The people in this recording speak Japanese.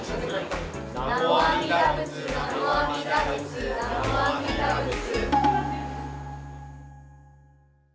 「南無阿弥陀仏南無阿弥陀仏南無阿弥陀仏」。